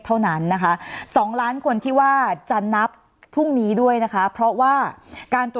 สนับสนุนโดยพี่โพเพี่ยวสะอาดใสไร้คราบ